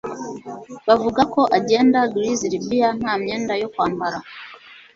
Bavuga ko genda Grizzly Bear nta myenda yo kwambara